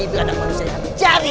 itu anak manusia yang mencari